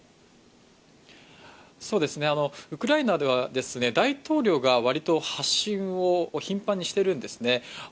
ウクライナでは大統領が割と発信を頻繁にしてるんですね。